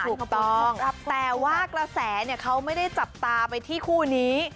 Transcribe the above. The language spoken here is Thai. ถูกต้องแต่ว่ากระแสเนี่ยเขาไม่ได้จับตาไปที่คู่นี้